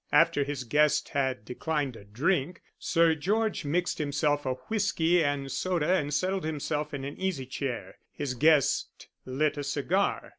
After his guest had declined a drink, Sir George mixed himself a whisky and soda and settled himself in an easy chair. His guest lit a cigar.